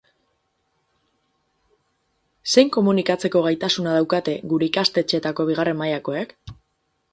Zein komunikatzeko gaitasuna daukate gure ikastetxeetako bigarren mailakoek?